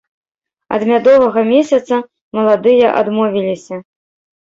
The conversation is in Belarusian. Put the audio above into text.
Ад мядовага месяца маладыя адмовіліся.